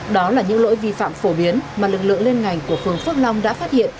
đó là những lỗi vi phạm phổ biến mà lực lượng lên ngành của phường phước long đã phát hiện